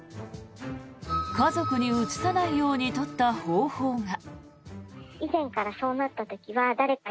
家族にうつさないように取った方法が。